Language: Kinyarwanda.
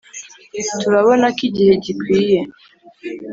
turabona ko igihe gikwiye